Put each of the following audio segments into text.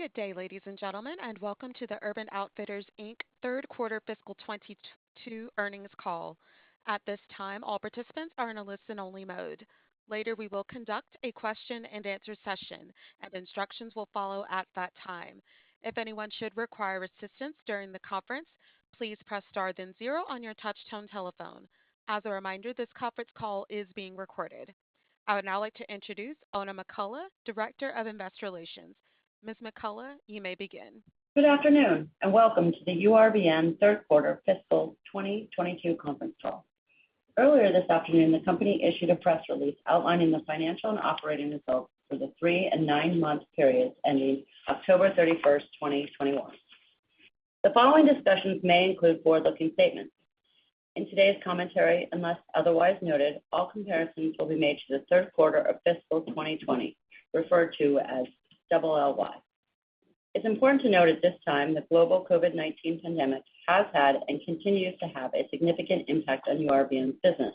Good day, ladies and gentlemen, and welcome to the Urban Outfitters, Inc. third quarter fiscal 2022 earnings call. At this time, all participants are in a listen only mode. Later, we will conduct a question and answer session, and instructions will follow at that time. If anyone should require assistance during the conference, please press star then zero on your touchtone telephone. As a reminder, this conference call is being recorded. I would now like to introduce Oona McCullough, Director of Investor Relations. Ms. McCullough, you may begin. Good afternoon, and welcome to the URBN Q3 fiscal 2022 conference call. Earlier this afternoon, the company issued a press release outlining the financial and operating results for the three- and nine-month periods ending October 31, 2021. The following discussions may include forward-looking statements. In today's commentary, unless otherwise noted, all comparisons will be made to the third quarter of fiscal 2020, referred to as 2LY. It's important to note at this time the global COVID-19 pandemic has had and continues to have a significant impact on URBN's business.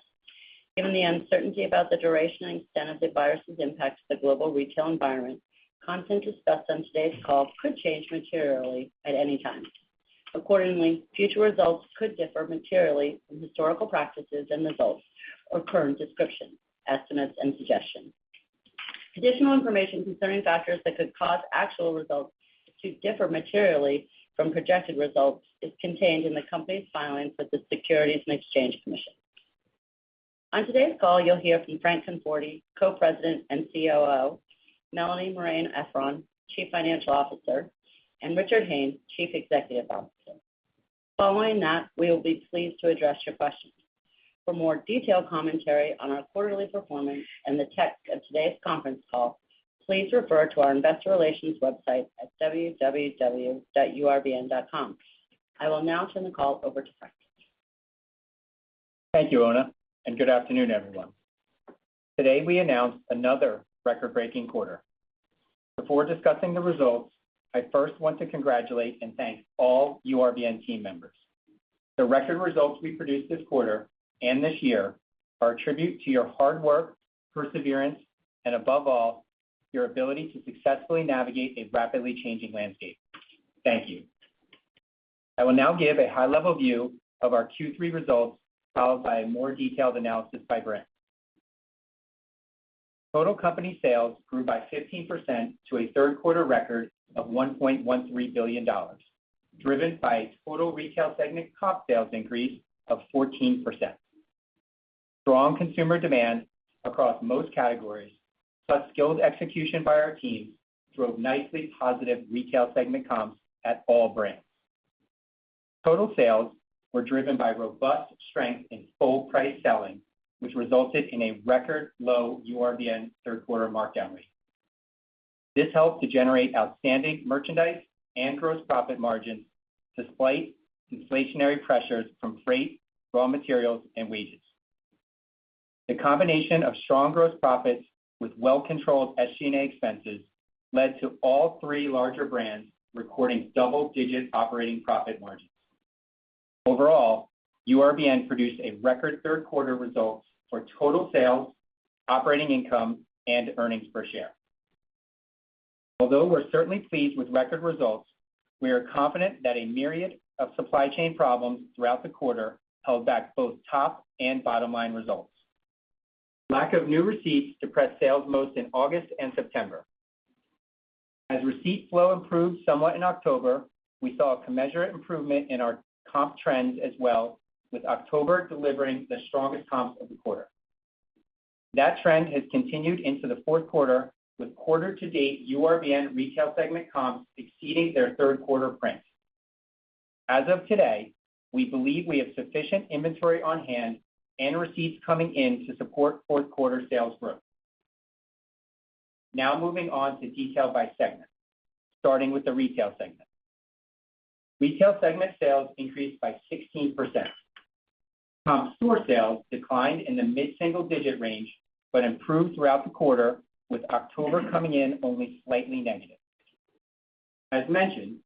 Given the uncertainty about the duration and extent of the virus's impact to the global retail environment, comments and discussions on today's call could change materially at any time. Accordingly, future results could differ materially from historical practices and results or current descriptions, estimates, and suggestions. Additional information concerning factors that could cause actual results to differ materially from projected results is contained in the company's filings with the Securities and Exchange Commission. On today's call, you'll hear from Frank Conforti, Co-President and COO, Melanie Marein-Efron, Chief Financial Officer, and Richard Hayne, Chief Executive Officer. Following that, we will be pleased to address your questions. For more detailed commentary on our quarterly performance and the text of today's conference call, please refer to our investor relations website at www.urbn.com. I will now turn the call over to Frank. Thank you, Oona, and good afternoon, everyone. Today, we announce another record-breaking quarter. Before discussing the results, I first want to congratulate and thank all URBN team members. The record results we produced this quarter and this year are a tribute to your hard work, perseverance, and above all, your ability to successfully navigate a rapidly changing landscape. Thank you. I will now give a high-level view of our Q3 results, followed by a more detailed analysis by brand. Total company sales grew by 15% to a third quarter record of $1.13 billion, driven by total Retail segment comp sales increase of 14%. Strong consumer demand across most categories, plus skilled execution by our team, drove nicely positive Retail segment comps at all brands. Total sales were driven by robust strength in full price selling, which resulted in a record low URBN third quarter markdown rate. This helped to generate outstanding merchandise and gross profit margins despite inflationary pressures from freight, raw materials, and wages. The combination of strong gross profits with well-controlled SG&A expenses, led to all three larger brands recording double-digit operating profit margins. Overall, URBN produced a record third quarter results for total sales, operating income, and earnings per share. Although we're certainly pleased with record results, we are confident that a myriad of supply chain problems throughout the quarter held back both top and bottom-line results. Lack of new receipts depressed sales most in August and September. As receipt flow improved somewhat in October, we saw a commensurate improvement in our comp trends as well, with October delivering the strongest comps of the quarter. That trend has continued into the Q4, with quarter-to-date URBN Retail segment comps exceeding their third quarter prints. As of today, we believe we have sufficient inventory on hand and receipts coming in to support Q4 sales growth. Now moving on to detail by segment, starting with the Retail segment. Retail segment sales increased by 16%. Comp store sales declined in the mid-single digit range but improved throughout the quarter, with October coming in only slightly negative. As mentioned,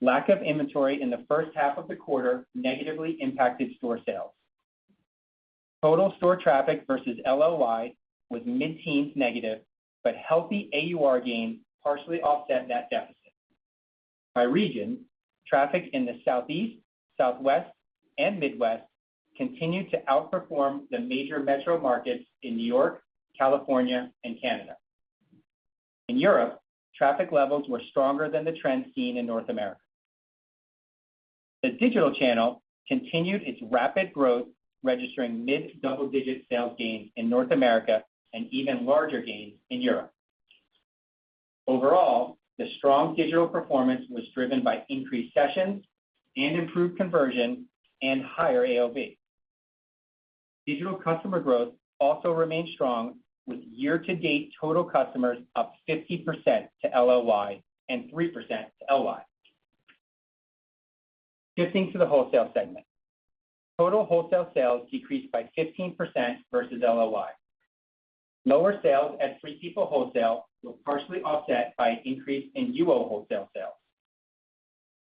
lack of inventory in the first half of the quarter negatively impacted store sales. Total store traffic versus LLY was mid-teens negative, but healthy AUR gain partially offset that deficit. By region, traffic in the Southeast, Southwest, and Midwest continued to outperform the major metro markets in New York, California, and Canada. In Europe, traffic levels were stronger than the trends seen in North America. The digital channel continued its rapid growth, registering mid-double-digit sales gains in North America and even larger gains in Europe. Overall, the strong digital performance was driven by increased sessions and improved conversion and higher AOV. Digital customer growth also remained strong with year-to-date total customers up 50% to LLY and 3% to LY. Shifting to the wholesale segment, total wholesale sales decreased by 15% versus LLY. Lower sales at Free People Wholesale were partially offset by an increase in UO Wholesale sales.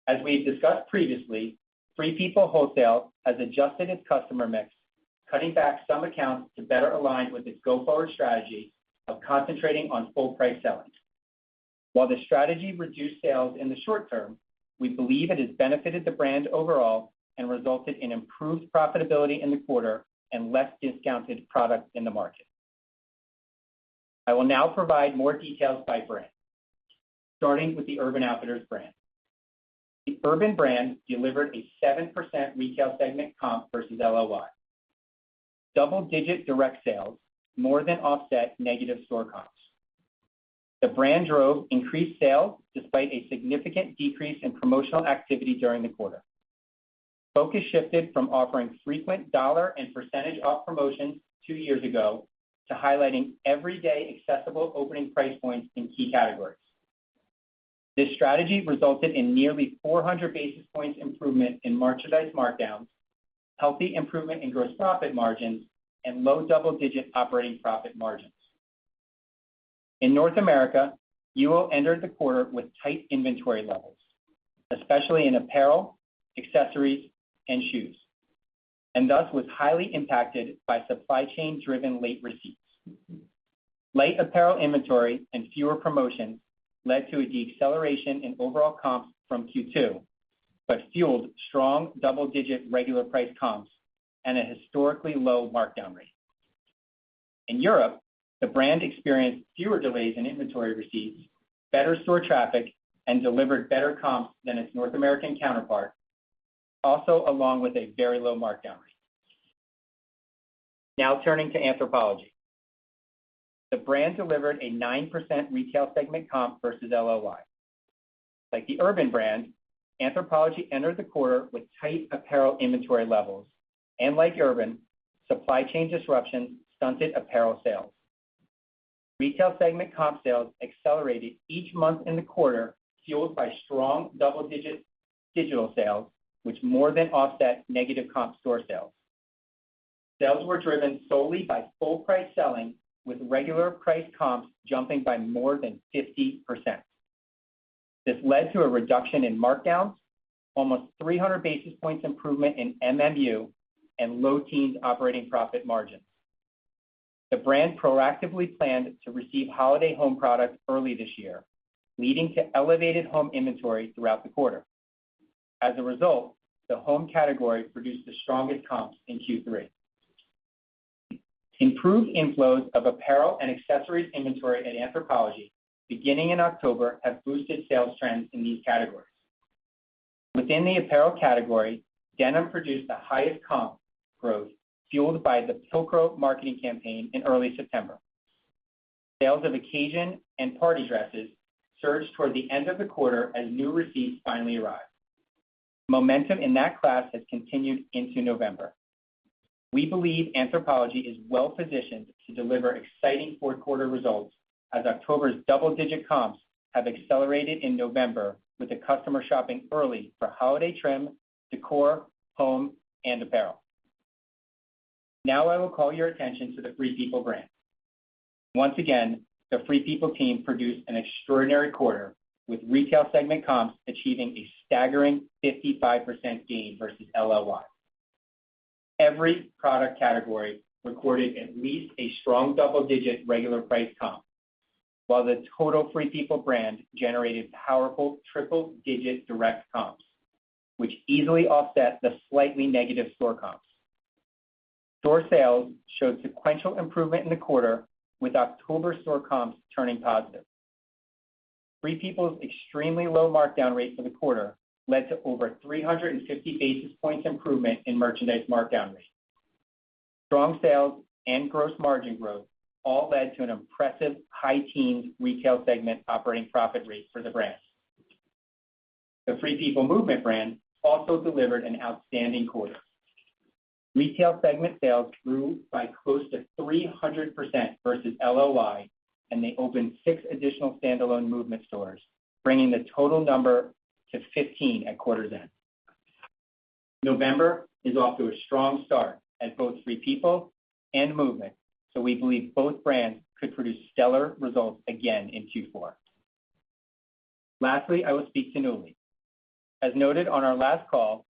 As we've discussed previously, Free People Wholesale has adjusted its customer mix, cutting back some accounts to better align with its go-forward strategy of concentrating on full-price selling. While the strategy reduced sales in the short term, we believe it has benefited the brand overall and resulted in improved profitability in the quarter and less discounted product in the market. I will now provide more details by brand, starting with the Urban Outfitters brand. The Urban brand delivered a 7% retail segment comp versus LLY. Double-digit direct sales more than offset negative store comps. The brand drove increased sales despite a significant decrease in promotional activity during the quarter. Focus shifted from offering frequent dollar and percentage off promotions two years ago to highlighting everyday accessible opening price points in key categories. This strategy resulted in nearly 400 basis points improvement in merchandise markdowns, healthy improvement in gross profit margins, and low double-digit operating profit margins. In North America, UO entered the quarter with tight inventory levels, especially in apparel, accessories, and shoes, and thus was highly impacted by supply-chain-driven late receipts. Light apparel inventory and fewer promotions led to a deceleration in overall comps from Q2, but fueled strong double-digit regular price comps and a historically low markdown rate. In Europe, the brand experienced fewer delays in inventory receipts, better store traffic, and delivered better comps than its North American counterpart, also along with a very low markdown rate. Now turning to Anthropologie. The brand delivered a 9% retail segment comp versus LLY. Like the Urban brand, Anthropologie entered the quarter with tight apparel inventory levels, and like Urban, supply chain disruption stunted apparel sales. Retail segment comp sales accelerated each month in the quarter, fueled by strong double-digit digital sales, which more than offset negative comp store sales. Sales were driven solely by full-price selling, with regular price comps jumping by more than 50%. This led to a reduction in markdowns, almost 300 basis points improvement in MMU, and low teens operating profit margins. The brand proactively planned to receive holiday home products early this year, leading to elevated home inventory throughout the quarter. As a result, the home category produced the strongest comps in Q3. Improved inflows of apparel and accessories inventory at Anthropologie beginning in October have boosted sales trends in these categories. Within the apparel category, denim produced the highest comp growth, fueled by the Pilcro marketing campaign in early September. Sales of occasion and party dresses surged toward the end of the quarter as new receipts finally arrived. Momentum in that class has continued into November. We believe Anthropologie is well-positioned to deliver exciting fourth quarter results as October's double-digit comps have accelerated in November with the customer shopping early for holiday trim, decor, home, and apparel. Now I will call your attention to the Free People brand. Once again, the Free People team produced an extraordinary quarter with retail segment comps achieving a staggering 55% gain versus LLY. Every product category recorded at least a strong double-digit regular price comp, while the total Free People brand generated powerful triple-digit direct comps, which easily offset the slightly negative store comps. Store sales showed sequential improvement in the quarter, with October store comps turning positive. Free People's extremely low markdown rate for the quarter led to over 350 basis points improvement in merchandise markdown rate. Strong sales and gross margin growth all led to an impressive high-teen retail segment operating profit rate for the brand. The FP Movement brand also delivered an outstanding quarter. Retail segment sales grew by close to 300% versus LLY, and they opened 6 additional standalone Movement stores, bringing the total number to 15 at quarter's end. November is off to a strong start at both Free People and Movement, so we believe both brands could produce stellar results again in Q4. Lastly, I will speak to Nuuly. As noted on our last call,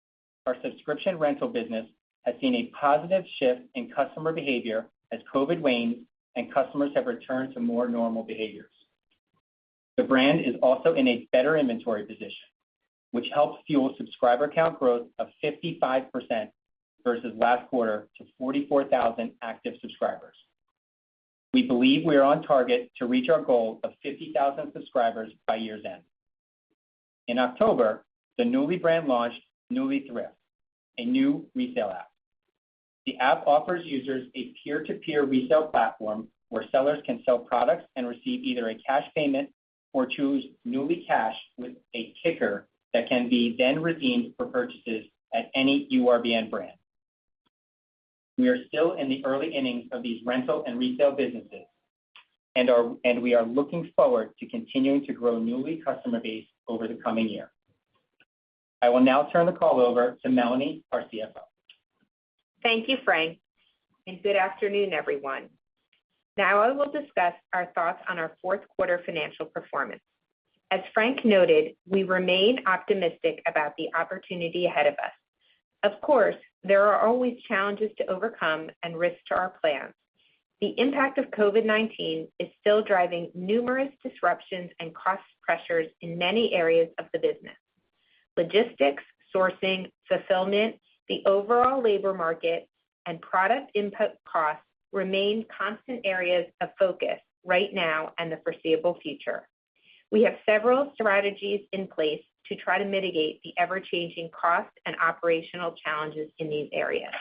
our subscription rental business has seen a positive shift in customer behavior as COVID-19 wanes and customers have returned to more normal behaviors. The brand is also in a better inventory position, which helps fuel subscriber count growth of 55% versus last quarter to 44,000 active subscribers. We believe we are on target to reach our goal of 50,000 subscribers by year's end. In October, the Nuuly brand launched Nuuly Thrift, a new resale app. The app offers users a peer-to-peer resale platform where sellers can sell products and receive either a cash payment or choose Nuuly Cash with a kicker that can be then redeemed for purchases at any URBN brand. We are still in the early innings of these rental and resale businesses and we are looking forward to continuing to grow Nuuly customer base over the coming year. I will now turn the call over to Melanie, our CFO. Thank you, Frank, and good afternoon, everyone. Now I will discuss our thoughts on our Q4 financial performance. As Frank noted, we remain optimistic about the opportunity ahead of us. Of course, there are always challenges to overcome and risks to our plans. The impact of COVID-19 is still driving numerous disruptions and cost pressures in many areas of the business. Logistics, sourcing, fulfillment, the overall labor market, and product input costs remain constant areas of focus right now and the foreseeable future. We have several strategies in place to try to mitigate the ever-changing costs and operational challenges in these areas.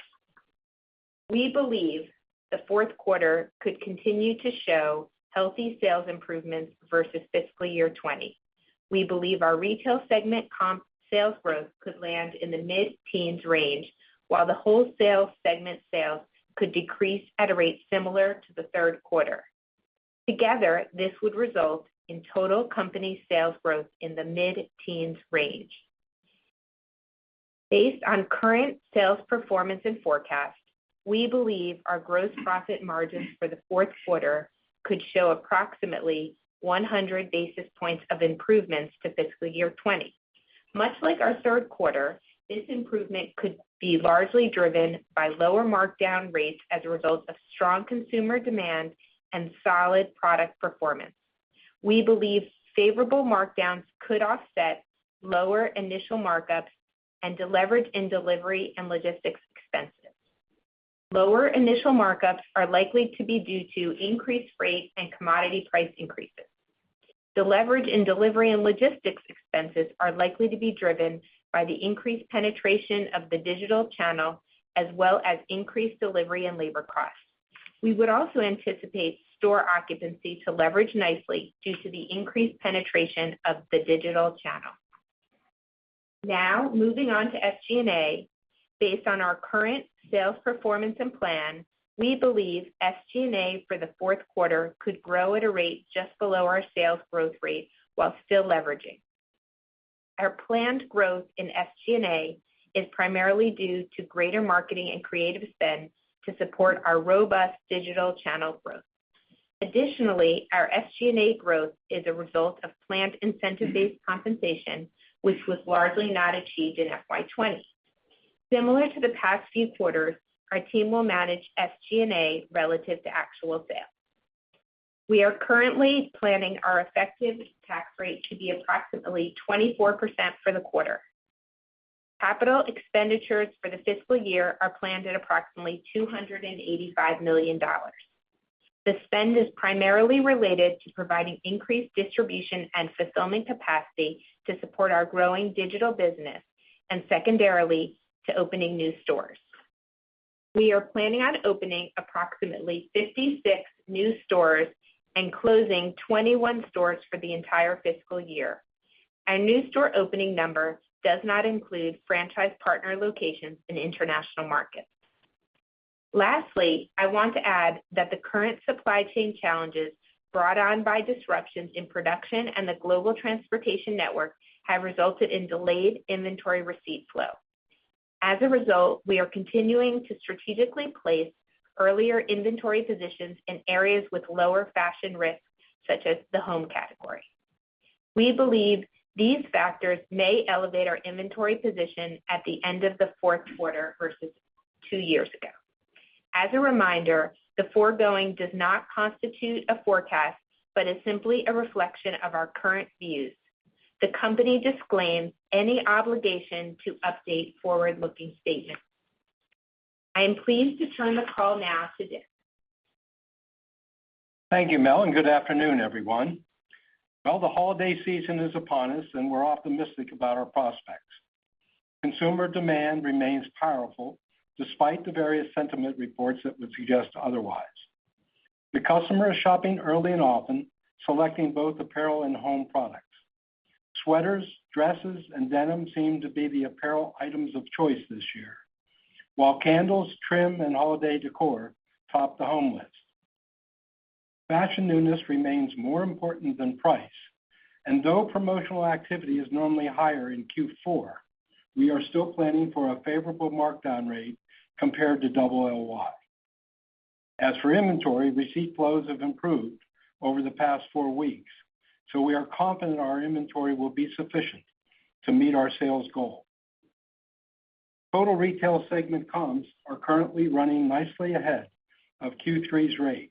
We believe the Q4 could continue to show healthy sales improvements versus fiscal year 2020. We believe our retail segment comp sales growth could land in the mid-teens range, while the wholesale segment sales could decrease at a rate similar to the third quarter. Together, this would result in total company sales growth in the mid-teens range. Based on current sales performance and forecast, we believe our gross profit margin for the Q4 could show approximately 100 basis points of improvements to FY 2020. Much like our Q3, this improvement could be largely driven by lower markdown rates as a result of strong consumer demand and solid product performance. We believe favorable markdowns could offset lower initial markups and deleverage in delivery and logistics expenses. Lower initial markups are likely to be due to increased rate and commodity price increases. Deleverage in delivery and logistics expenses are likely to be driven by the increased penetration of the digital channel, as well as increased delivery and labor costs. We would also anticipate store occupancy to leverage nicely due to the increased penetration of the digital channel. Now, moving on to SG&A. Based on our current sales performance and plan, we believe SG&A for the fourth quarter could grow at a rate just below our sales growth rate while still leveraging. Our planned growth in SG&A is primarily due to greater marketing and creative spend to support our robust digital channel growth. Additionally, our SG&A growth is a result of planned incentive-based compensation, which was largely not achieved in FY 2020. Similar to the past few quarters, our team will manage SG&A relative to actual sales. We are currently planning our effective tax rate to be approximately 24% for the quarter. Capital expenditures for the fiscal year are planned at approximately $285 million. The spend is primarily related to providing increased distribution and fulfillment capacity to support our growing digital business and secondarily to opening new stores. We are planning on opening approximately 56 new stores and closing 21 stores for the entire fiscal year. Our new store opening number does not include franchise partner locations in international markets. Lastly, I want to add that the current supply chain challenges brought on by disruptions in production and the global transportation network have resulted in delayed inventory receipt flow. As a result, we are continuing to strategically place earlier inventory positions in areas with lower fashion risks, such as the home category. We believe these factors may elevate our inventory position at the end of the Q4 versus two years ago. As a reminder, the foregoing does not constitute a forecast, but is simply a reflection of our current views. The company disclaims any obligation to update forward-looking statements. I am pleased to turn the call now to Dick. Thank you, Mel, and good afternoon, everyone. Well, the holiday season is upon us and we're optimistic about our prospects. Consumer demand remains powerful despite the various sentiment reports that would suggest otherwise. The customer is shopping early and often, selecting both apparel and home products. Sweaters, dresses, and denim seem to be the apparel items of choice this year, while candles, trim, and holiday decor top the home list. Fashion newness remains more important than price, and though promotional activity is normally higher in Q4, we are still planning for a favorable markdown rate compared to OOY. As for inventory, receipt flows have improved over the past four weeks, so we are confident our inventory will be sufficient to meet our sales goal. Total retail segment comps are currently running nicely ahead of Q3's rate.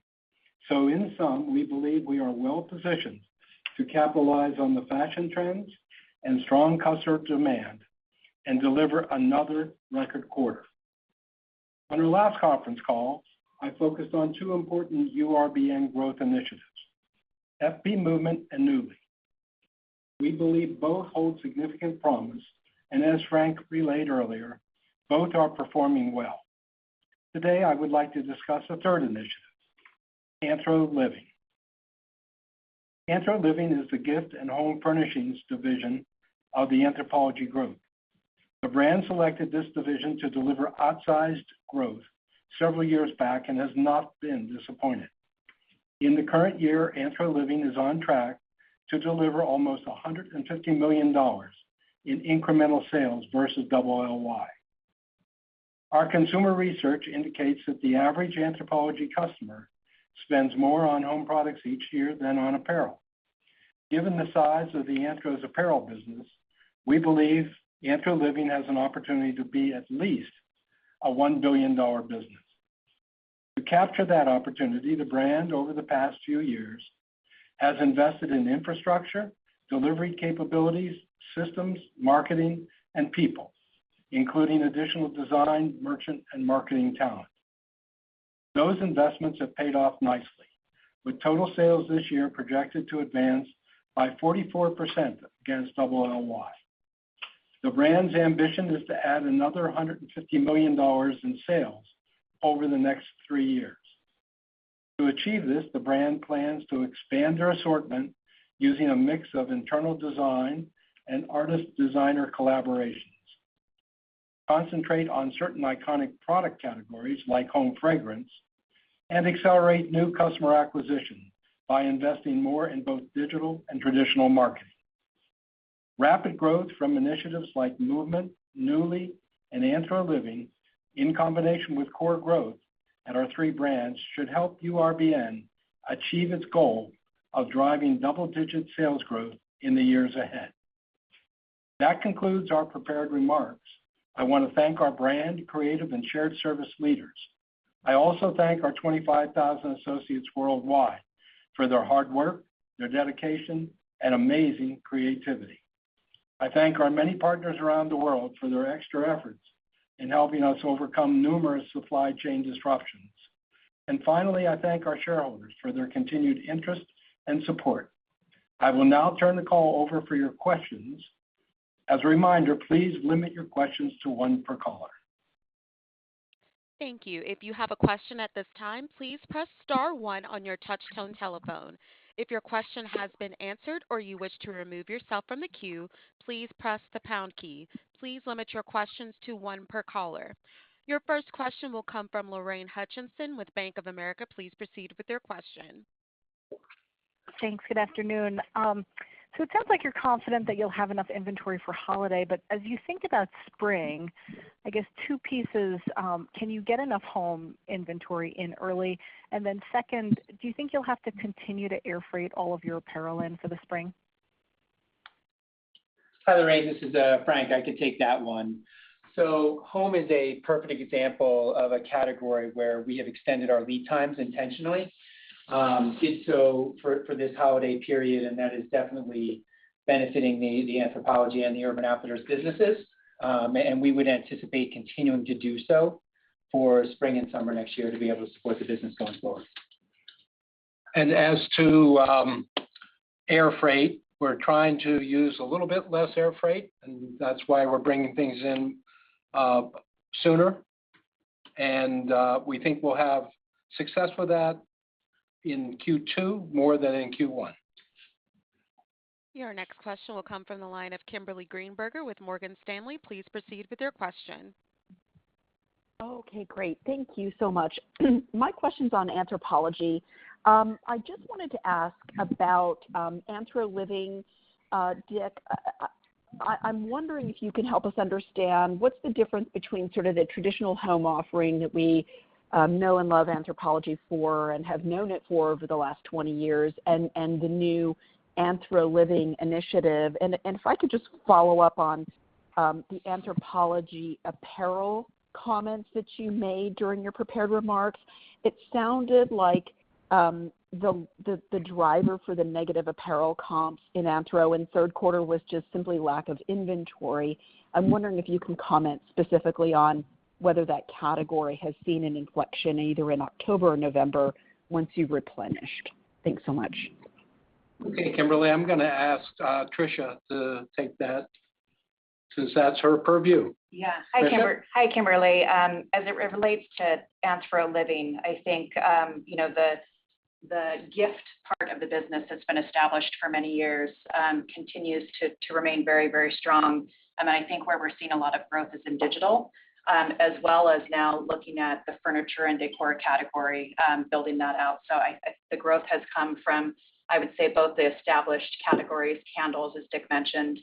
In sum, we believe we are well positioned to capitalize on the fashion trends and strong customer demand and deliver another record quarter. On our last conference call, I focused on two important URBN growth initiatives, FP Movement and Nuuly. We believe both hold significant promise, and as Frank relayed earlier, both are performing well. Today, I would like to discuss a third initiative, AnthroLiving. AnthroLiving is the gift and home furnishings division of the Anthropologie Group. The brand selected this division to deliver outsized growth several years back and has not been disappointed. In the current year, AnthroLiving is on track to deliver almost $150 million in incremental sales versus double LLY. Our consumer research indicates that the average Anthropologie customer spends more on home products each year than on apparel. Given the size of the Anthro's apparel business, we believe AnthroLiving has an opportunity to be at least a $1 billion business. To capture that opportunity, the brand over the past few years has invested in infrastructure, delivery capabilities, systems, marketing, and people, including additional design, merchant, and marketing talent. Those investments have paid off nicely, with total sales this year projected to advance by 44% against double LLY. The brand's ambition is to add another $150 million in sales over the next three years. To achieve this, the brand plans to expand our assortment using a mix of internal design and artist-designer collaborations, concentrate on certain iconic product categories like home fragrance, and accelerate new customer acquisition by investing more in both digital and traditional marketing. Rapid growth from initiatives like FP Movement, Nuuly, and AnthroLiving, in combination with core growth at our three brands, should help URBN achieve its goal of driving double-digit sales growth in the years ahead. That concludes our prepared remarks. I want to thank our brand, creative, and shared service leaders. I also thank our 25,000 associates worldwide for their hard work, their dedication, and amazing creativity. I thank our many partners around the world for their extra efforts in helping us overcome numerous supply chain disruptions. Finally, I thank our shareholders for their continued interest and support. I will now turn the call over for your questions. As a reminder, please limit your questions to one per caller. Thank you. If you have a question at this time, please press star one on your touchtone telephone. If your question has been answered or you wish to remove yourself from the queue, please press the pound key. Please limit your questions to one per caller. Your first question will come from Lorraine Hutchinson with Bank of America. Please proceed with your question. Thanks. Good afternoon. It sounds like you're confident that you'll have enough inventory for holiday. As you think about spring, I guess two pieces, can you get enough home inventory in early? Second, do you think you'll have to continue to air freight all of your apparel in for the spring? Hi, Lorraine, this is Frank. I could take that one. Home is a perfect example of a category where we have extended our lead times intentionally, did so for this holiday period, and that is definitely benefiting the Anthropologie and the Urban Outfitters businesses. We would anticipate continuing to do so for spring and summer next year to be able to support the business going forward. As to air freight, we're trying to use a little bit less air freight, and that's why we're bringing things in sooner. We think we'll have success with that in Q2 more than in Q1. Your next question will come from the line of Kimberly Greenberger with Morgan Stanley. Please proceed with your question. Okay, great. Thank you so much. My question's on Anthropologie. I just wanted to ask about AnthroLiving. Dick, I'm wondering if you can help us understand what's the difference between sort of the traditional home offering that we know and love Anthropologie for and have known it for over the last 20 years and the new AnthroLiving initiative. If I could just follow up on the Anthropologie apparel comments that you made during your prepared remarks. It sounded like the driver for the negative apparel comps in Anthro in third quarter was just simply lack of inventory. I'm wondering if you can comment specifically on whether that category has seen an inflection either in October or November once you replenished. Thanks so much. Okay, Kimberly, I'm gonna ask, Tricia to take that since that's her purview. Tricia? Yeah. Hi, Kimberly. As it relates to AnthroLiving, I think, you know, the gift part of the business that's been established for many years continues to remain very, very strong. I think where we're seeing a lot of growth is in digital, as well as now looking at the furniture and decor category, building that out. The growth has come from, I would say, both the established categories, candles, as Dick mentioned,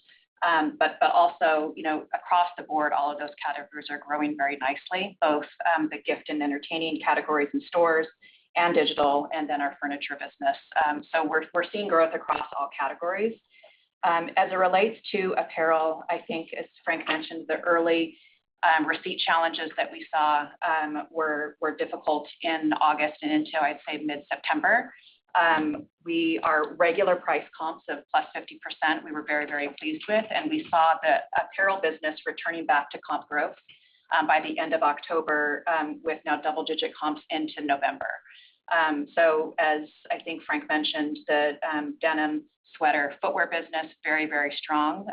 but also, you know, across the board, all of those categories are growing very nicely, both the gift and entertaining categories in stores and digital and then our furniture business. We're seeing growth across all categories. As it relates to apparel, I think as Frank mentioned, the early receipt challenges that we saw were difficult in August and into, I'd say, mid-September. Our regular price comps of +50%, we were very, very pleased with, and we saw the apparel business returning back to comp growth by the end of October with now double-digit comps into November. As I think Frank mentioned, the denim, sweater, footwear business very, very strong.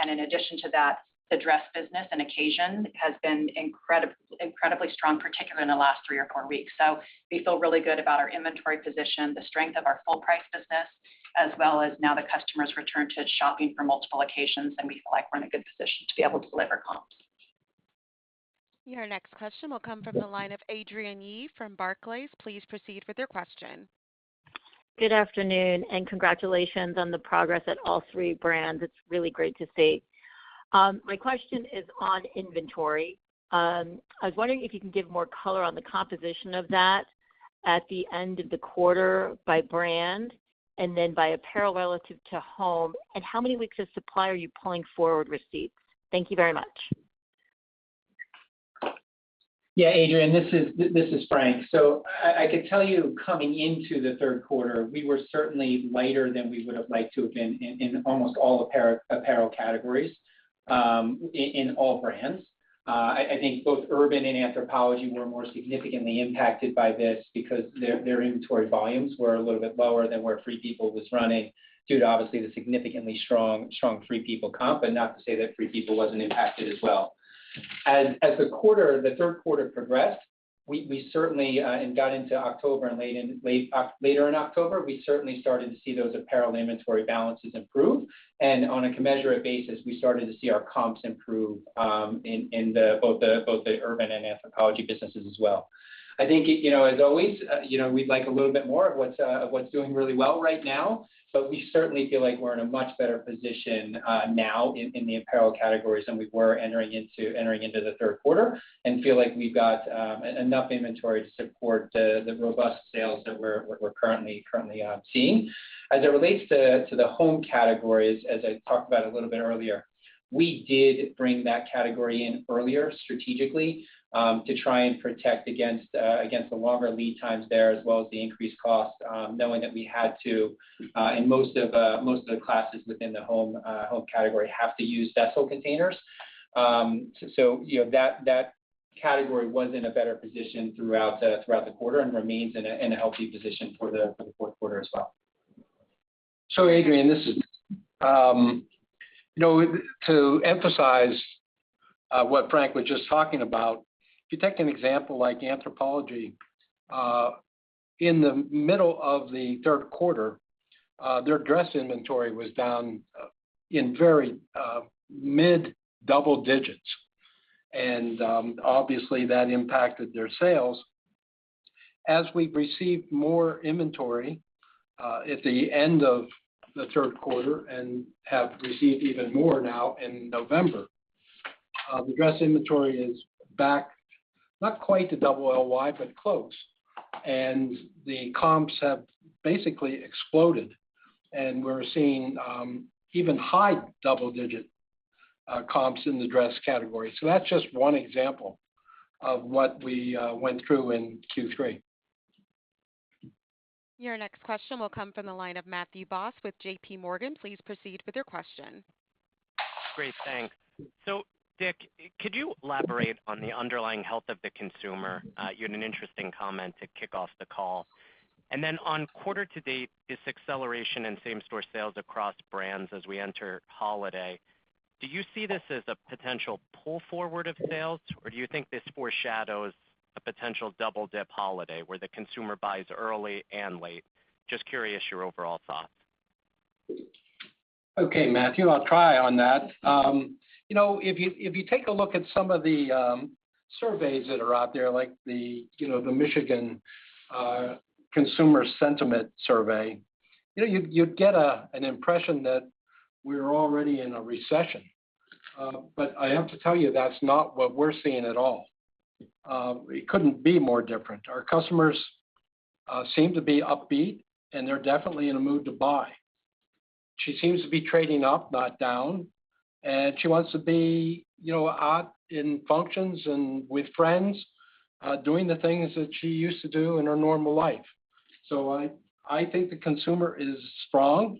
In addition to that, the dress business and occasion has been incredibly strong, particularly in the last three or four weeks. We feel really good about our inventory position, the strength of our full-price business, as well as now the customers return to shopping for multiple occasions, and we feel like we're in a good position to be able to deliver comps. Your next question will come from the line of Adrienne Yih from Barclays. Please proceed with your question. Good afternoon, and congratulations on the progress at all three brands. It's really great to see. My question is on inventory. I was wondering if you can give more color on the composition of that at the end of the quarter by brand and then by apparel relative to home, and how many weeks of supply are you pulling forward receipts? Thank you very much. Yeah, Adrienne, this is Frank. I could tell you coming into the third quarter, we were certainly lighter than we would've liked to have been in almost all apparel categories in all brands. I think both Urban and Anthropologie were more significantly impacted by this because their inventory volumes were a little bit lower than where Free People was running due to obviously the significantly strong Free People comp, but not to say that Free People wasn't impacted as well. As the third quarter progressed, we certainly got into October and later in October, we certainly started to see those apparel inventory balances improve. On a comparable basis, we started to see our comps improve in both the Urban and Anthropologie businesses as well. I think, you know, as always, you know, we'd like a little bit more of what's doing really well right now, but we certainly feel like we're in a much better position now in the apparel categories than we were entering into the third quarter and feel like we've got enough inventory to support the robust sales that we're currently seeing. As it relates to the home categories, as I talked about a little bit earlier, we did bring that category in earlier strategically to try and protect against the longer lead times there as well as the increased cost, knowing that we had to in most of the classes within the home category have to use vessel containers. That category was in a better position throughout the quarter and remains in a healthy position for the fourth quarter as well. Adrienne, this is you know, to emphasize what Frank was just talking about, if you take an example like Anthropologie in the middle of the third quarter, their dress inventory was down in very mid-double digits. Obviously, that impacted their sales. As we've received more inventory at the end of the third quarter and have received even more now in November, the dress inventory is back not quite to double LY, but close. The comps have basically exploded, and we're seeing even high double-digit comps in the dress category. That's just one example of what we went through in Q3. Your next question will come from the line of Matthew Boss with JP Morgan. Please proceed with your question. Great. Thanks. Dick, could you elaborate on the underlying health of the consumer? You had an interesting comment to kick off the call. Then on quarter to date, this acceleration in same-store sales across brands as we enter holiday, do you see this as a potential pull forward of sales, or do you think this foreshadows a potential double-dip holiday where the consumer buys early and late? Just curious your overall thoughts. Okay, Matthew, I'll try on that. You know, if you take a look at some of the surveys that are out there, like the, you know, the Michigan consumer sentiment survey, you know, you'd get an impression that we're already in a recession. But I have to tell you, that's not what we're seeing at all. It couldn't be more different. Our customers seem to be upbeat, and they're definitely in a mood to buy. She seems to be trading up, not down, and she wants to be, you know, out in functions and with friends, doing the things that she used to do in her normal life. I think the consumer is strong.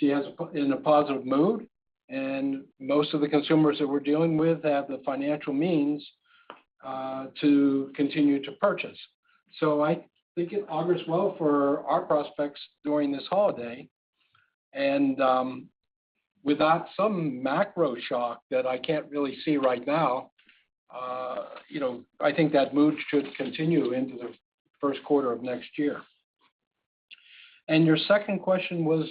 In a positive mood, and most of the consumers that we're dealing with have the financial means to continue to purchase. I think it augurs well for our prospects during this holiday. Without some macro shock that I can't really see right now, you know, I think that mood should continue into the first quarter of next year. Your second question was...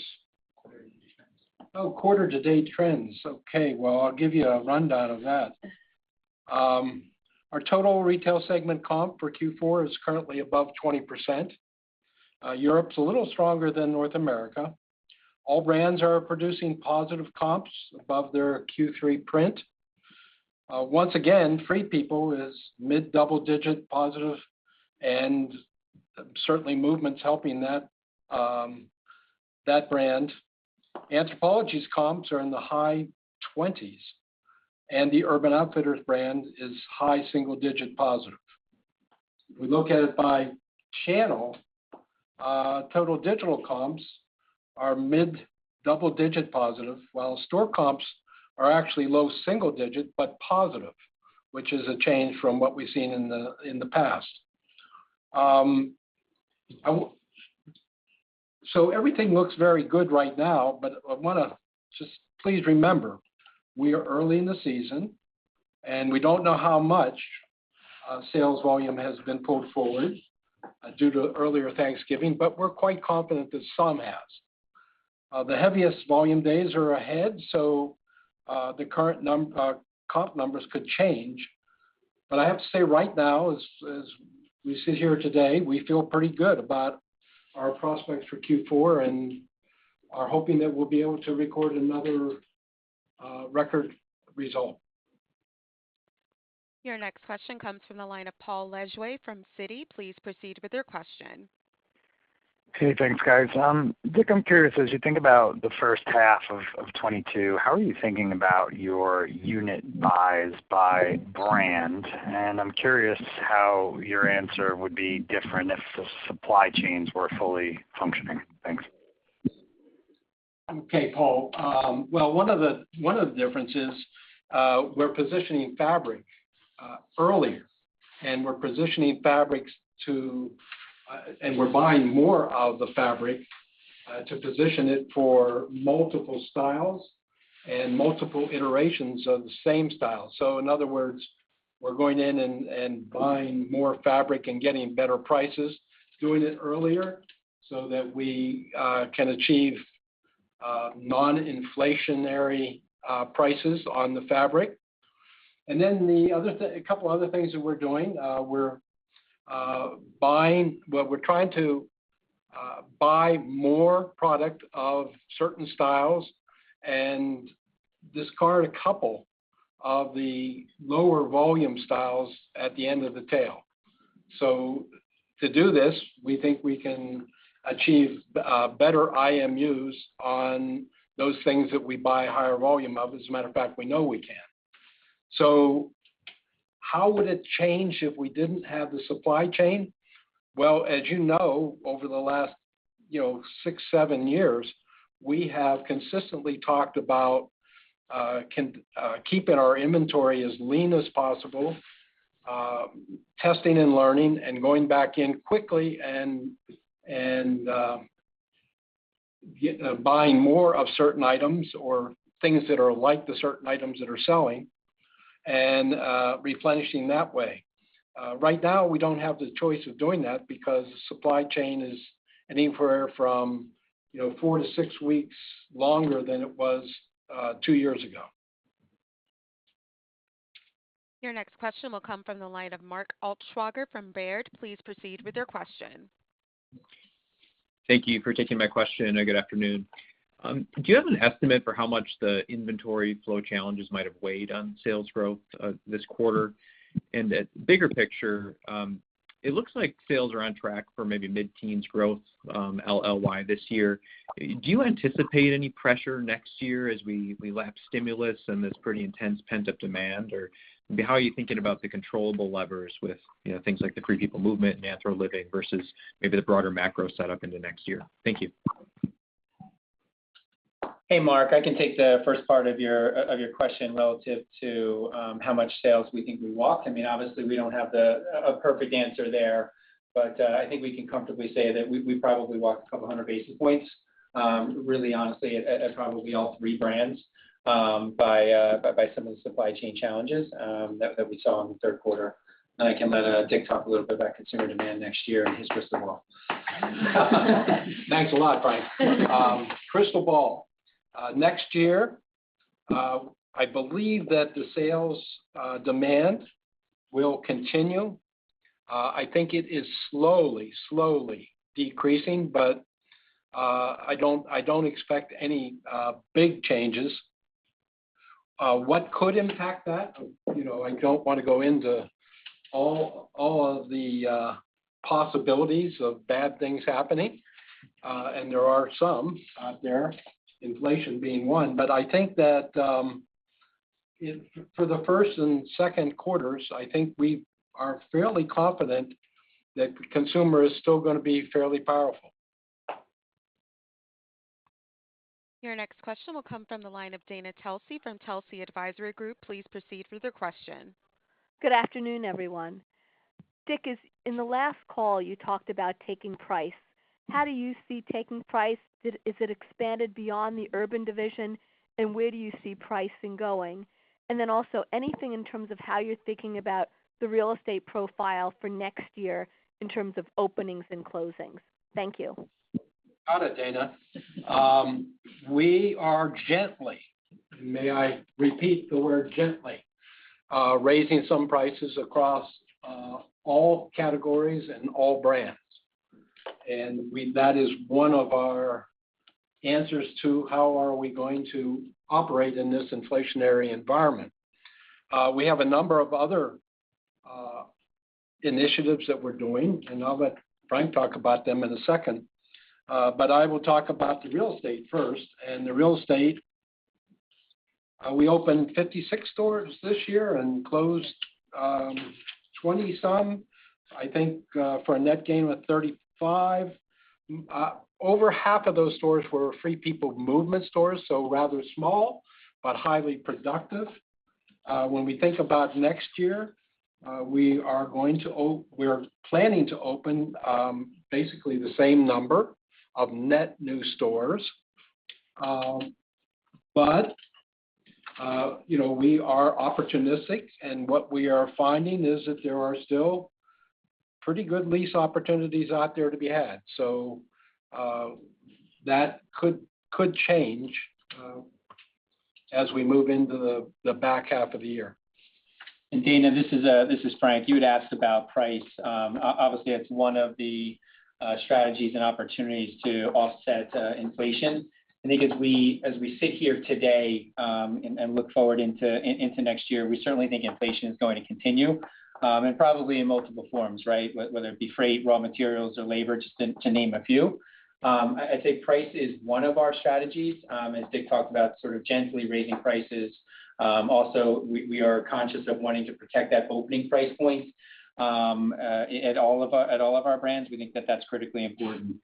Quarter-to-date trends. Quarter-to-date trends. Okay. Well, I'll give you a rundown of that. Our total retail segment comp for Q4 is currently above 20%. Europe's a little stronger than North America. All brands are producing positive comps above their Q3 print. Once again, Free People is mid-double-digit positive and certainly Movement's helping that brand. Anthropologie's comps are in the high 20s, and the Urban Outfitters brand is high single-digit positive. If we look at it by channel, total digital comps are mid-double-digit positive, while store comps are actually low single-digit but positive, which is a change from what we've seen in the past. Everything looks very good right now, but I wanna just please remember, we are early in the season, and we don't know how much sales volume has been pulled forward due to earlier Thanksgiving, but we're quite confident that some has. The heaviest volume days are ahead, so the current comp numbers could change. I have to say right now as we sit here today, we feel pretty good about our prospects for Q4, and are hoping that we'll be able to record another record result. Your next question comes from the line of Paul Lejuez from Citi. Please proceed with your question. Hey, thanks, guys. Dick, I'm curious, as you think about the first half of 2022, how are you thinking about your unit buys by brand? I'm curious how your answer would be different if the supply chains were fully functioning. Thanks. Okay, Paul. Well, one of the differences, we're positioning fabric earlier, and we're buying more of the fabric to position it for multiple styles and multiple iterations of the same style. So in other words, we're going in and buying more fabric and getting better prices doing it earlier so that we can achieve non-inflationary prices on the fabric. Then a couple other things that we're doing, we're buying what we're trying to buy more product of certain styles and discard a couple of the lower volume styles at the end of the tail. So to do this, we think we can achieve better IMUs on those things that we buy higher volume of. As a matter of fact, we know we can. How would it change if we didn't have the supply chain? As you know, over the last, you know, 6, 7 years, we have consistently talked about keeping our inventory as lean as possible, testing and learning and going back in quickly and buying more of certain items or things that are like the certain items that are selling and replenishing that way. Right now we don't have the choice of doing that because supply chain is anywhere from, you know, 4 to 6 weeks longer than it was 2 years ago. Your next question will come from the line of Mark Altschwager from Baird. Please proceed with your question. Thank you for taking my question, and good afternoon. Do you have an estimate for how much the inventory flow challenges might have weighed on sales growth, this quarter? The bigger picture, it looks like sales are on track for maybe mid-teens growth, YoY this year. Do you anticipate any pressure next year as we lap stimulus and this pretty intense pent-up demand? Or how are you thinking about the controllable levers with, you know, things like the FP Movement, AnthroLiving versus maybe the broader macro setup into next year? Thank you. Hey, Mark. I can take the first part of your question relative to how much sales we think we walked. I mean, obviously we don't have a perfect answer there, but I think we can comfortably say that we probably walked a couple hundred basis points, really honestly at probably all three brands, by some of the supply chain challenges that we saw in the third quarter. I can let Dick talk a little bit about consumer demand next year and his crystal ball. Thanks a lot, Frank. Crystal ball. Next year, I believe that the sales demand will continue. I think it is slowly decreasing, but I don't expect any big changes. What could impact that? You know, I don't wanna go into all of the possibilities of bad things happening. There are some out there, inflation being one. I think that for the first and second quarters, I think we are fairly confident that consumer is still gonna be fairly powerful. Your next question will come from the line of Dana Telsey from Telsey Advisory Group. Please proceed with your question. Good afternoon, everyone. Dick, in the last call you talked about taking price. How do you see taking price? Is it expanded beyond the Urban division? Where do you see pricing going? Also anything in terms of how you're thinking about the real estate profile for next year in terms of openings and closings. Thank you. Got it, Dana. We are gently, may I repeat the word gently, raising some prices across all categories and all brands. That is one of our answers to how we are going to operate in this inflationary environment. We have a number of other initiatives that we're doing, and I'll let Frank talk about them in a second. I will talk about the real estate first. The real estate, we opened 56 stores this year and closed 20-some, I think, for a net gain of 35. Over half of those stores were Free People Movement stores, so rather small, but highly productive. When we think about next year, we're planning to open basically the same number of net new stores. you know, we are opportunistic and what we are finding is that there are still pretty good lease opportunities out there to be had. That could change as we move into the back half of the year. Dana, this is Frank. You had asked about price. Obviously, that's one of the strategies and opportunities to offset inflation. I think as we sit here today and look forward into next year, we certainly think inflation is going to continue and probably in multiple forms, right? Whether it be freight, raw materials or labor, just to name a few. I'd say price is one of our strategies, as Dick talked about sort of gently raising prices. Also, we are conscious of wanting to protect that opening price point at all of our brands. We think that that's critically important.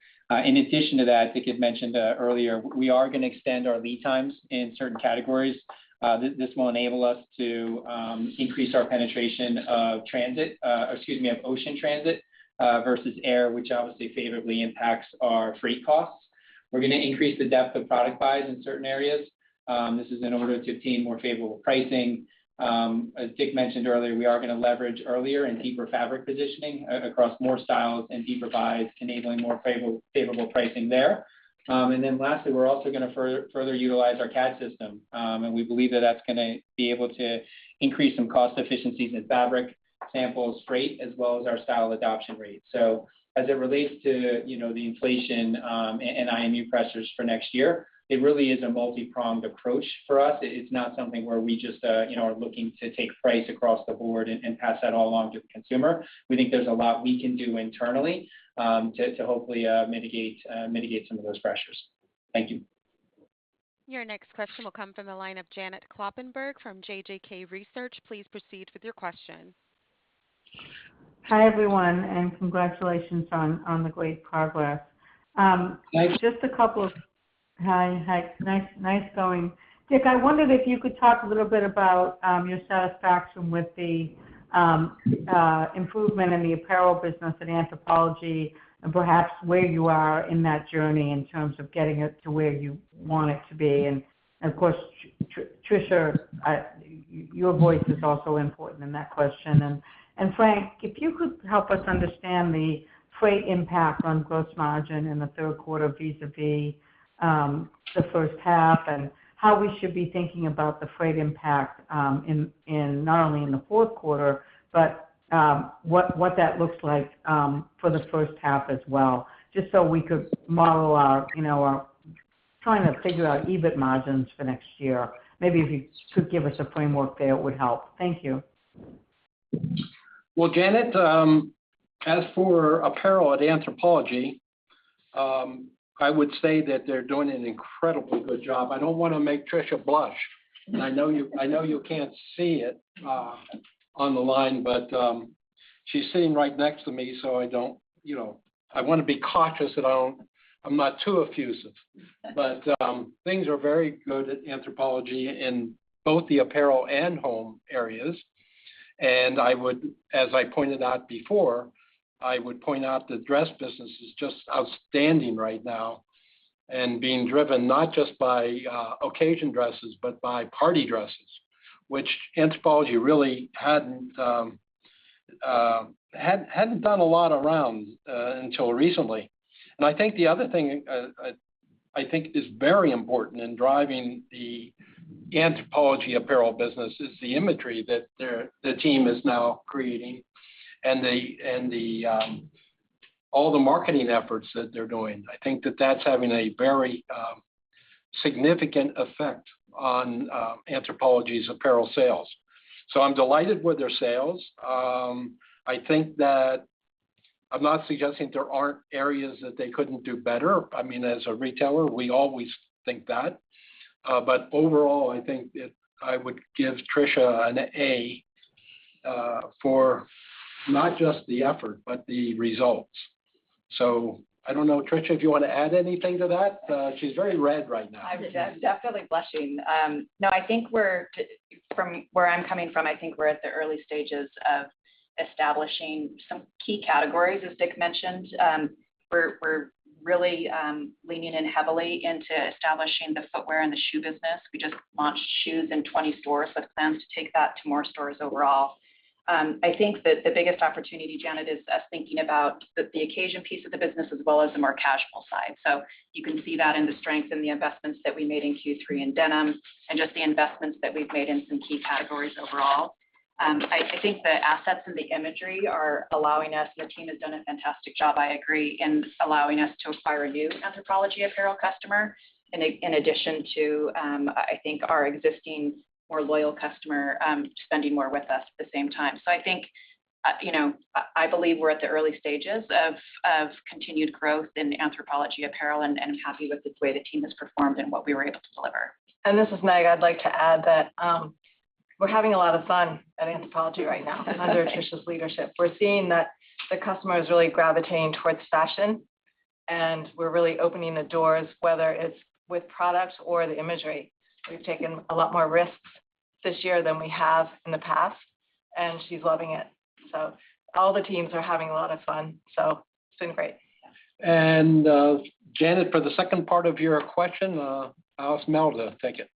In addition to that, I think you'd mentioned earlier, we are gonna extend our lead times in certain categories. This will enable us to increase our penetration of ocean transit versus air, which obviously favorably impacts our freight costs. We're gonna increase the depth of product buys in certain areas. This is in order to obtain more favorable pricing. As Dick mentioned earlier, we are gonna leverage earlier and deeper fabric positioning across more styles and deeper buys, enabling more favorable pricing there. Lastly, we're also gonna further utilize our CAD system. We believe that that's gonna be able to increase some cost efficiencies in fabric, samples, freight, as well as our style adoption rate. As it relates to, you know, the inflation and IMU pressures for next year, it really is a multi-pronged approach for us. It's not something where we just, you know, are looking to take price across the board and pass that all along to the consumer. We think there's a lot we can do internally to hopefully mitigate some of those pressures. Thank you. Your next question will come from the line of Janet Kloppenburg from JJK Research. Please proceed with your question. Hi, everyone, and congratulations on the great progress. Hi. Hi. Nice going. Dick, I wondered if you could talk a little bit about your satisfaction with the improvement in the apparel business at Anthropologie and perhaps where you are in that journey in terms of getting it to where you want it to be. Of course, Tricia, your voice is also important in that question. Frank, if you could help us understand the freight impact on gross margin in the third quarter vis-à-vis the first half and how we should be thinking about the freight impact in not only the fourth quarter, but what that looks like for the first half as well, just so we could model our, you know, our EBIT margins for next year. Maybe if you could give us a framework there, it would help. Thank you. Well, Janet, as for apparel at Anthropologie, I would say that they're doing an incredibly good job. I don't wanna make Tricia blush. I know you can't see it on the line, but she's sitting right next to me, so I don't, you know, I wanna be cautious that I'm not too effusive. Things are very good at Anthropologie in both the apparel and home areas. I would, as I pointed out before, I would point out the dress business is just outstanding right now and being driven not just by occasion dresses, but by party dresses, which Anthropologie really hadn't done a lot around until recently. I think the other thing is very important in driving the Anthropologie apparel business is the imagery that the team is now creating and all the marketing efforts that they're doing. I think that that's having a very significant effect on Anthropologie's apparel sales. I'm delighted with their sales. I think that I'm not suggesting there aren't areas that they couldn't do better. I mean, as a retailer, we always think that. Overall, I think that I would give Tricia an A for not just the effort, but the results. I don't know, Tricia, if you wanna add anything to that. She's very red right now. I feel like blushing. No, from where I'm coming from, I think we're at the early stages of establishing some key categories, as Dick mentioned. We're really leaning in heavily into establishing the footwear and the shoe business. We just launched shoes in 20 stores with plans to take that to more stores overall. I think that the biggest opportunity, Janet, is us thinking about the occasion piece of the business as well as the more casual side. You can see that in the strength and the investments that we made in Q3 in denim and just the investments that we've made in some key categories overall. I think the assets and the imagery are allowing us, the team has done a fantastic job, I agree, in allowing us to acquire a new Anthropologie apparel customer, in addition to, I think our existing more loyal customer, spending more with us at the same time. I think, you know, I believe we're at the early stages of continued growth in Anthropologie apparel and happy with the way the team has performed and what we were able to deliver. This is Mel, I'd like to add that, we're having a lot of fun at Anthropologie right now under Tricia's leadership. We're seeing that the customer is really gravitating towards fashion, and we're really opening the doors, whether it's with products or the imagery. We've taken a lot more risks this year than we have in the past, and she's loving it. All the teams are having a lot of fun, so it's been great. Janet, for the second part of your question, I'll ask Mel to take it.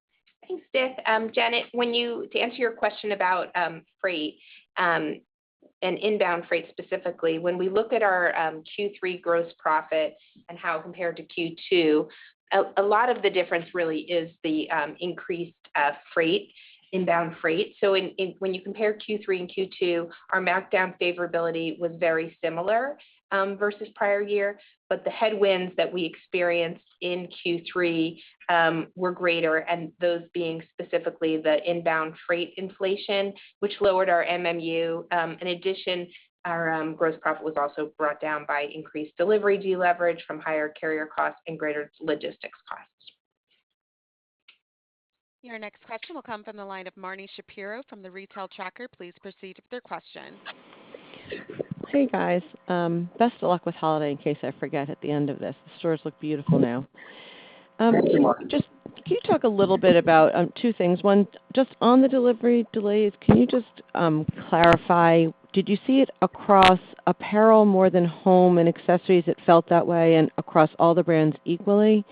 Thanks, Tiff. Janet, to answer your question about freight and inbound freight specifically, when we look at our Q3 gross profit and how it compared to Q2, a lot of the difference really is the increased freight, inbound freight. When you compare Q3 and Q2, our markdown favorability was very similar versus prior year, but the headwinds that we experienced in Q3 were greater, and those being specifically the inbound freight inflation, which lowered our MMU. In addition, our gross profit was also brought down by increased delivery deleverage from higher carrier costs and greater logistics costs. Your next question will come from the line of Marni Shapiro from The Retail Tracker. Please proceed with your question. Hey, guys. Best of luck with holiday in case I forget at the end of this. The stores look beautiful now. Just can you talk a little bit about two things. One, just on the delivery delays, can you just clarify did you see it across apparel more than home and accessories that felt that way and across all the brands equally?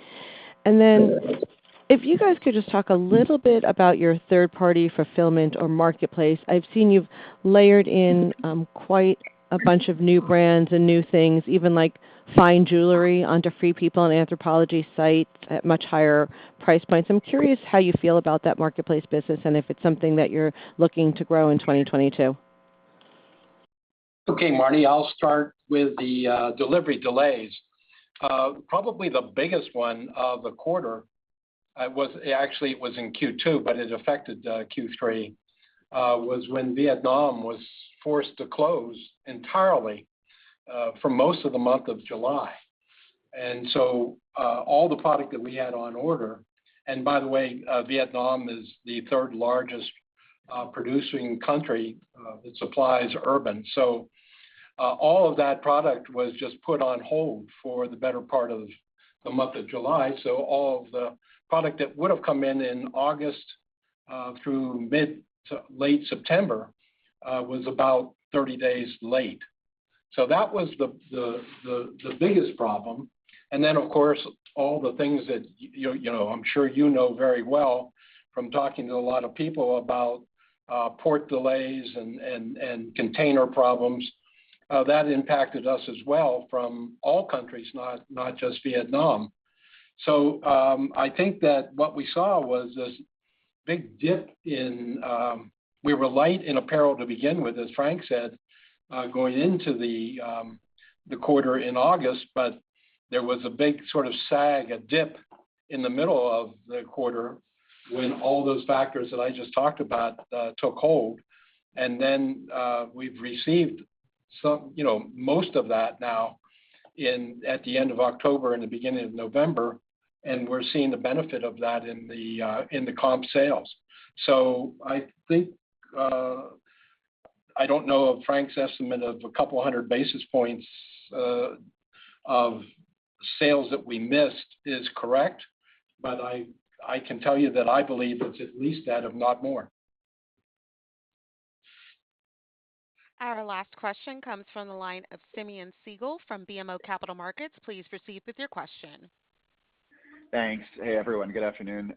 If you guys could just talk a little bit about your third-party fulfillment or marketplace. I've seen you've layered in quite a bunch of new brands and new things, even like fine jewelry onto Free People and Anthropologie sites at much higher price points. I'm curious how you feel about that marketplace business and if it's something that you're looking to grow in 2022. Okay, Marni, I'll start with the delivery delays. Probably the biggest one of the quarter was actually in Q2, but it affected Q3, was when Vietnam was forced to close entirely for most of the month of July. All the product that we had on order. By the way, Vietnam is the third largest producing country that supplies Urban. All of that product was just put on hold for the better part of the month of July. All of the product that would have come in in August through mid to late September was about 30 days late. That was the biggest problem. Of course, all the things that you know, I'm sure you know very well from talking to a lot of people about port delays and container problems that impacted us as well from all countries, not just Vietnam. I think that what we saw was this big dip. We were light in apparel to begin with, as Frank said, going into the quarter in August, but there was a big sort of sag, a dip in the middle of the quarter when all those factors that I just talked about took hold. We've received some, you know, most of that now in at the end of October and the beginning of November, and we're seeing the benefit of that in the comp sales. I think I don't know if Frank's estimate of 200 basis points of sales that we missed is correct, but I can tell you that I believe it's at least that, if not more. Our last question comes from the line of Simeon Siegel from BMO Capital Markets. Please proceed with your question. Thanks. Hey, everyone. Good afternoon.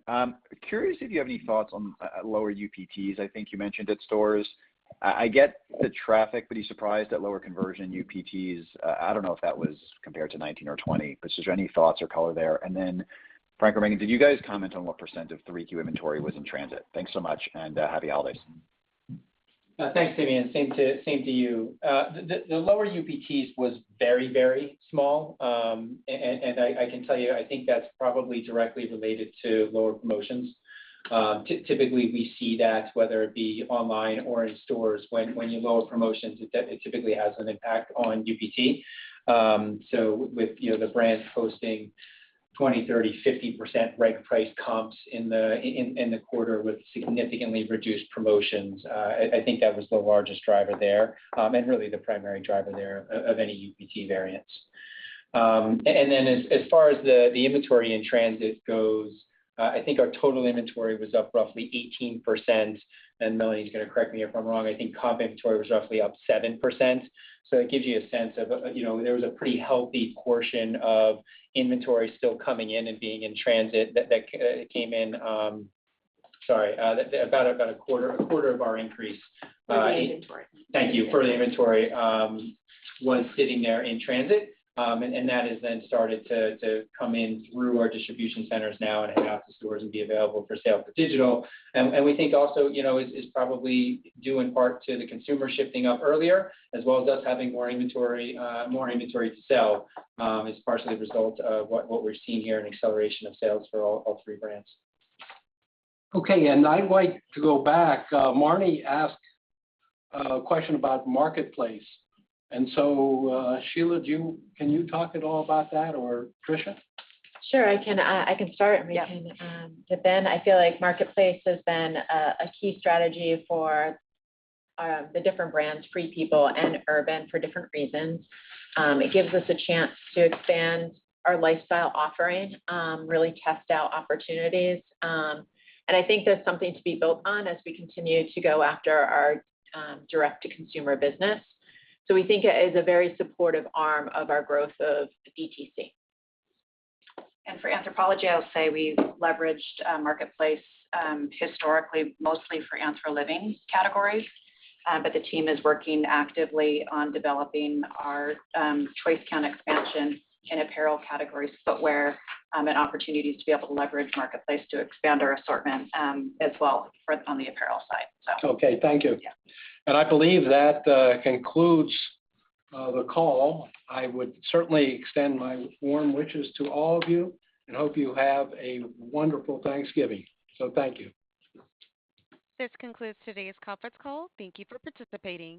Curious if you have any thoughts on lower UPTs. I think you mentioned at stores. I get the traffic, but are you surprised at lower conversion UPTs? I don't know if that was compared to 2019 or 2020, but just any thoughts or color there. Frank or Megan, did you guys comment on what % of 3Q inventory was in transit? Thanks so much, and happy holidays. Thanks, Simeon. Same to you. The lower UPTs was very small. I can tell you, I think that's probably directly related to lower promotions. Typically we see that whether it be online or in stores, when you lower promotions, it typically has an impact on UPT. With, you know, the brands posting 20, 30, 50% reg price comps in the quarter with significantly reduced promotions, I think that was the largest driver there, and really the primary driver there of any UPT variance. As far as the inventory in transit goes, I think our total inventory was up roughly 18%. Melanie is gonna correct me if I'm wrong. I think comp inventory was roughly up 7%. It gives you a sense of, you know, there was a pretty healthy portion of inventory still coming in and being in transit that came in, sorry, about a quarter of our increase. For the inventory. Thank you. The inventory was sitting there in transit. That has then started to come in through our distribution centers now and out to stores and be available for sale for digital. We think also, you know, is probably due in part to the consumer shifting up earlier, as well as us having more inventory to sell, is partially a result of what we're seeing here in acceleration of sales for all three brands. Okay, I'd like to go back. Marni asked a question about marketplace, and so, Sheila, can you talk at all about that or Tricia? Sure, I can start, Melanie. Yeah. Ben, I feel like marketplace has been a key strategy for the different brands, Free People and Urban, for different reasons. It gives us a chance to expand our lifestyle offering, really test out opportunities. And I think that's something to be built on as we continue to go after our direct-to-consumer business. We think it is a very supportive arm of our growth of DTC. For Anthropologie, I'll say we've leveraged marketplace historically mostly for AnthroLiving category. The team is working actively on developing our choice count expansion in apparel categories, footwear, and opportunities to be able to leverage marketplace to expand our assortment as well on the apparel side. Okay, thank you. Yeah. I believe that concludes the call. I would certainly extend my warm wishes to all of you and hope you have a wonderful Thanksgiving. Thank you. This concludes today's conference call. Thank you for participating.